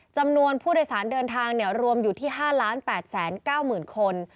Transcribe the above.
จำนวนผู้โดยสารเดินทางรวมอยู่ที่๕๘๙๐๐คน